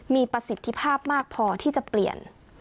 มีประสิทธิภาพมากพอที่จะเปลี่ยน